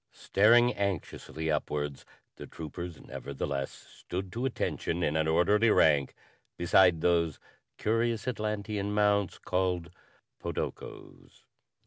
Staring anxiously upwards, the troopers nevertheless stood to attention in an orderly rank beside those curious Atlantean mounts called podokos.